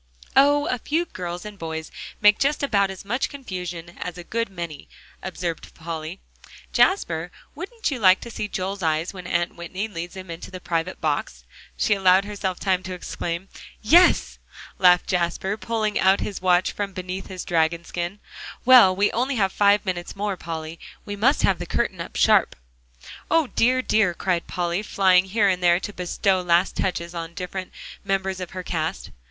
"Oh! a few girls and boys make just about as much confusion as a good many," observed Polly. "Jasper, wouldn't you like to see Joel's eyes when Aunt Whitney leads him into the private box?" she allowed herself time to exclaim. "Yes," laughed Jasper, pulling out his watch from beneath his dragon skin; "well, we have only five minutes more, Polly. We must have the curtain up sharp." "O dear, dear!" cried Polly, flying here and there to bestow last touches on the different members of her cast.